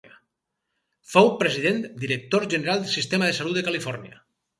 Fou President-director general del sistema de salut de Califòrnia.